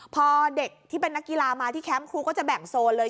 พอเด็กที่เป็นนักกีฬามาที่แคมป์ครูก็จะแบ่งโซนเลย